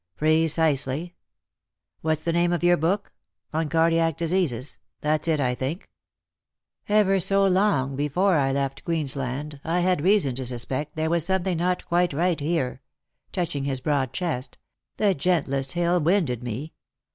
" Precisely. What's the name of your book ? On Cardiac Diseases. That's it, I think. Ever so long before I left Queensland I had reason to suspect there was something not quite right here," — touching his broad chest, —" the gentlest hill winded me.